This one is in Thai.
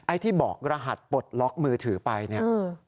ที่บอกรหัสปลดล็อกมือถือไปเนี่ย